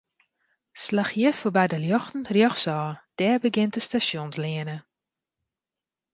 Slach hjir foarby de ljochten rjochtsôf, dêr begjint de Stasjonsleane.